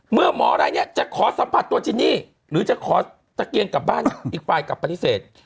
หมออะไรเนี่ยจะขอสัมผัสตัวจินนี่หรือจะขอตะเกียงกลับบ้านอีกฝ่ายกลับปฏิเสธ